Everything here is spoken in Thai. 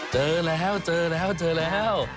เจอแล้วเจอแล้วเจอแล้ว